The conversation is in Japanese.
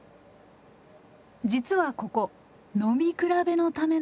実はここ飲み比べのための場所。